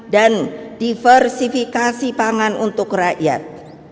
diversifikasi pangan untuk rakyat